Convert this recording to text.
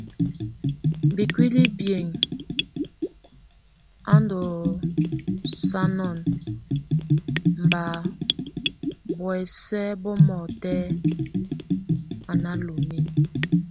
Bikúlibiŋ, á ndosaŋon mba buɔ́sɛ bomɔtɛk, a nálumin.